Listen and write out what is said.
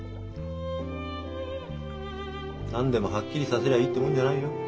何でもはっきりさせりゃいいってものじゃないよ。